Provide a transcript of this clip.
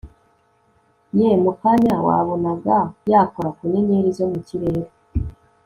we mu kanya wabonaga yakora ku nyenyeri zo mu kirere